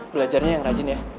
belajarnya yang rajin ya